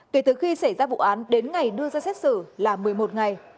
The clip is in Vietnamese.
kể từ khi xảy ra vụ án đến ngày đưa ra xét xử là một mươi một ngày